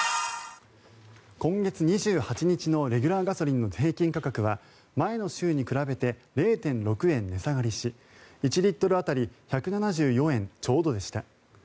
今月２８日のレギュラーガソリンの平均価格は前の週に比べて０．６円値下がりし１リットル当たり１７４円ちょうどでした。